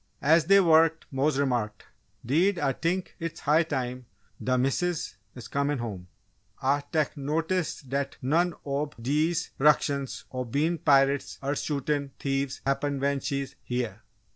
As they worked, Mose remarked: "'Deed Ah t'ink it's high time d' Missus is comin' home. Ah tek notice dat none ob dese 'ructions ob bein' pirates er shootin' thieves happen when she's heah!"